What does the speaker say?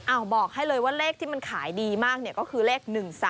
บอกให้เลยว่าเลขที่มันขายดีมากก็คือเลข๑๓